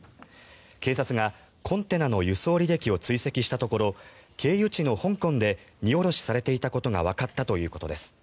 警察がコンテナの輸送履歴を追跡したところ経由地の香港で荷下ろしされていたことがわかったということです。